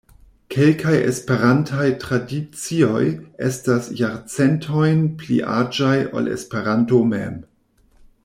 Kelkaj Esperantaj tradicioj estas jarcentojn pli aĝaj ol Esperanto mem.